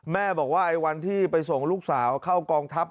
แม่บอกว่าไอ้วันที่ไปส่งลูกสาวเข้ากองทัพ